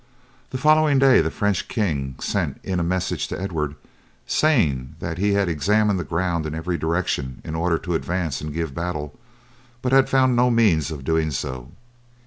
The following day the French king sent in a message to Edward saying that he had examined the ground in every direction in order to advance and give battle, but had found no means of doing so.